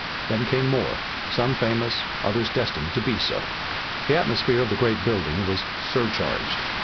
Then came more, some famous and others destined to be so. The atmosphere of the great building was surcharged.